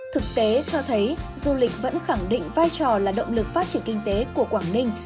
thực tế cho thấy du lịch vẫn khẳng định vai trò là động lực phát triển kinh tế của quảng ninh